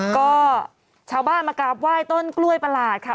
ก็ชาวบ้านมากราบไหว้ต้นกล้วยประหลาดค่ะ